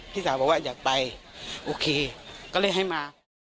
พี่สาวบอกว่าอยากไปโอเคก็เลยให้มา